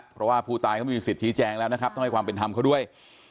เพราะว่าผู้ตายเขาไม่มีสิทธิแจงแล้วนะครับต้องให้ความเป็นธรรมเขาด้วย